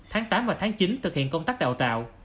tháng tám và tháng chín thực hiện công tác đào tạo